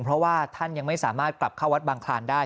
เพราะว่าท่านยังไม่สามารถกลับเข้าวัดบางคลานได้